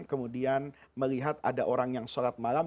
kemudian melihat ada orang yang sholat malam